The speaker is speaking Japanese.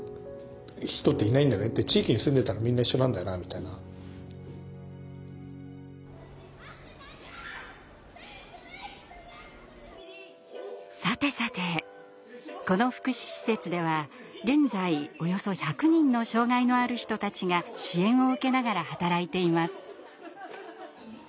まあ特殊というかそのさてさてこの福祉施設では現在およそ１００人の障害のある人たちが支援を受けながら働いています。